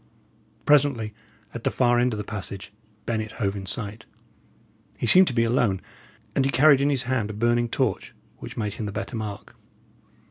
Presently, at the far end of the passage, Bennet hove in sight. He seemed to be alone, and he carried in his hand a burning torch, which made him the better mark.